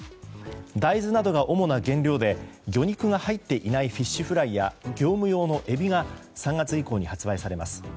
大豆などが主な原料で魚肉が入っていないフィッシュフライや業務用のエビが３月以降に発売されます。